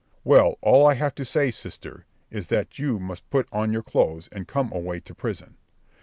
"Well, all I have to say, sister, is, that you must put on your clothes, and come away to prison."